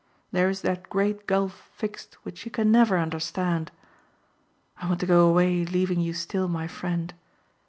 There is that great gulf fixed which you can never understand. I want to go away leaving you still my friend.